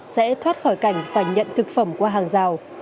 sẽ thoát khỏi cảnh phải nhận thực phẩm qua hàng rào